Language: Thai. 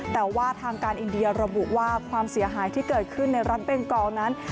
แต่ว่าทางการอินเดียระบุว่าความเสียหายที่เกิดขึ้นในรัฐเบนกอลนั้น